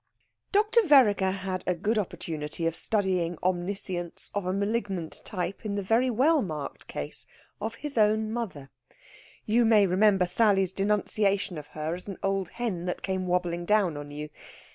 Dr. Vereker had a good opportunity of studying omniscience of a malignant type in the very well marked case of his own mother. You may remember Sally's denunciation of her as an old hen that came wobbling down on you.